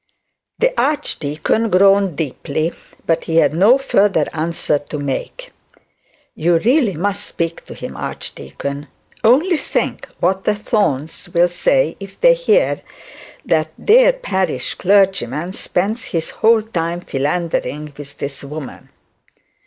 The archdeacon groaned deeply, but he had no further answer to make. 'You really must speak to him, archdeacon. Only think what the Thornes will say if they hear that their parish clergyman spends his whole time philandering with this woman.'